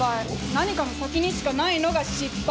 何かの先にしかないのが失敗。